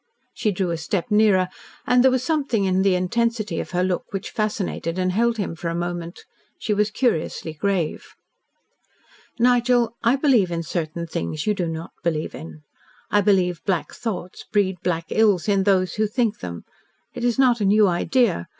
She drew a step nearer, and there was something in the intensity of her look which fascinated and held him for a moment. She was curiously grave. "Nigel, I believe in certain things you do not believe in. I believe black thoughts breed black ills to those who think them. It is not a new idea.